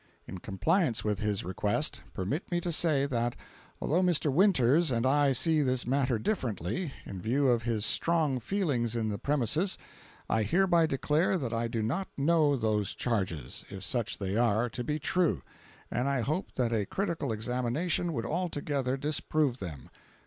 In compliance with his request, permit me to say that, although Mr. Winters and I see this matter differently, in view of his strong feelings in the premises, I hereby declare that I do not know those "charges" (if such they are) to be true, and I hope that a critical examination would altogether disprove them.